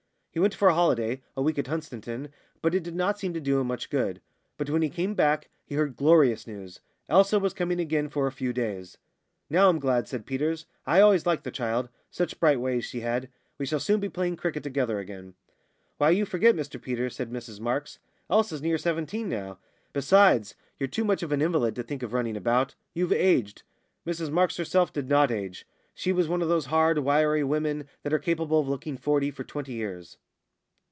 He went for a holiday a week at Hunstanton but it did not seem to do him much good. But when he came back he heard glorious news. Elsa was coming again for a few days. "Now, I'm glad," said Peters. "I always liked the child. Such bright ways she had! We shall soon be playing cricket together again." "Why, you forget, Mr Peters," said Mrs Marks. "Elsa's near seventeen now. Besides, you're too much of an invalid to think of running about. You've aged." Mrs Marks herself did not age; she was one of those hard, wiry women that are capable of looking forty for twenty years.